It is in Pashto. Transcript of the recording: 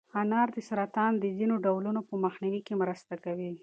انار د سرطان د ځینو ډولونو په مخنیوي کې مرسته کوي.